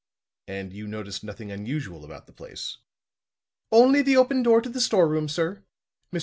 "And you noticed nothing unusual about the place?" "Only the open door to the store room, sir. Mr.